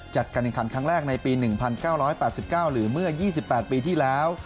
จัดการแข่งขันครั้งแรกในปี๑๙๘๙หรือเมื่อ๒๘ปีที่แล้ว